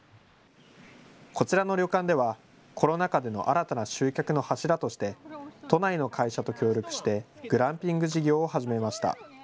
こちらの旅館ではコロナ禍での新たな集客の柱として都内の会社と協力してグランピング事業を始めました。